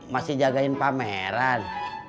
masih jagain pameran